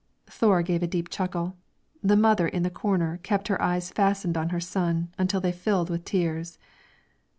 Thore gave a deep chuckle, the mother in the corner kept her eyes fastened on her son until they filled with tears.